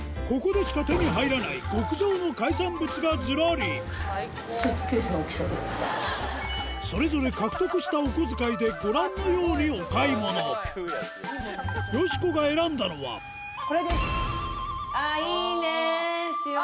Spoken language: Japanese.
ここでしか手に入らない極上の海産物がずらりそれぞれ獲得したお小遣いでご覧のようにお買い物よしこが選んだのはこれです。